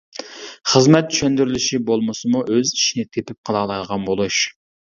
خىزمەت چۈشەندۈرۈلۈشى بولمىسىمۇ ئۆز ئىشىنى تېپىپ قىلالايدىغان بولۇش.